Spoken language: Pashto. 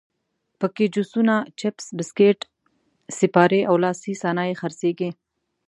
په کې جوسونه، چپس، بسکیټ، سیپارې او لاسي صنایع خرڅېږي.